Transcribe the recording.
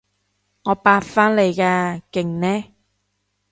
我八返嚟㗎，勁呢？